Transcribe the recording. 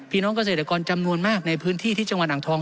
น้องเกษตรกรจำนวนมากในพื้นที่ที่จังหวัดอ่างทอง